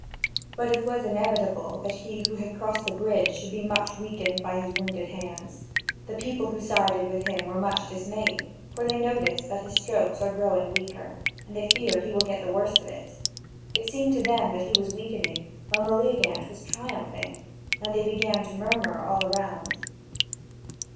But it was inevitable that he who had crossed the bridge should be much weakened by his wounded hands. The people who sided with him were much dismayed, for they notice that his strokes are growing weaker, and they fear he will get the worst of it; it seemed to them that he was weakening, while Meleagant was triumphing, and they began to murmur all around.